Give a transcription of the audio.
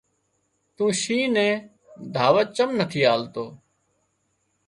تُون شينهن نين دعوت چم نٿي آلتو